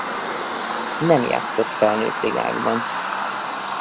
Nem játszott felnőtt ligákban.